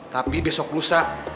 tapi besok lusa